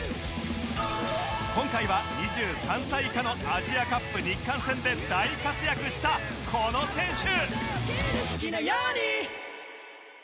今回は２３歳以下のアジアカップ日韓戦で大活躍したこの選手！